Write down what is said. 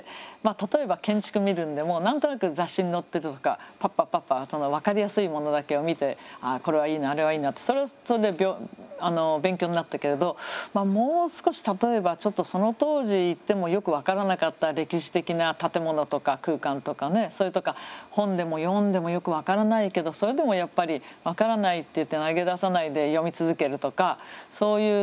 例えば建築見るんでも何となく雑誌に載ってたとかパッパッパッパッ分かりやすいものだけを見てこれはいいなあれはいいなってそれはそれで勉強になったけれどもう少し例えばちょっとその当時行ってもよく分からなかった歴史的な建物とか空間とかねそれとか本でも読んでもよく分からないけどそれでもやっぱり分からないっていって投げ出さないで読み続けるとかそういう